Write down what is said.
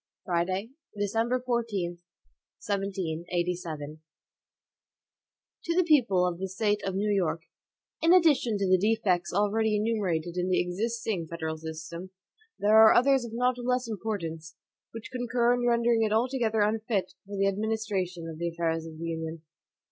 Friday, December 14, 1787. HAMILTON To the People of the State of New York: IN ADDITION to the defects already enumerated in the existing federal system, there are others of not less importance, which concur in rendering it altogether unfit for the administration of the affairs of the Union.